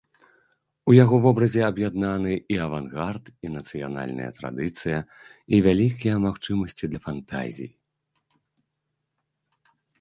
У яго вобразе аб'яднаны і авангард, і нацыянальная традыцыя, і вялікія магчымасці для фантазій.